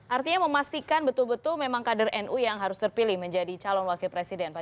artinya memastikan betul betul memang kader nu yang harus terpilih menjadi cadar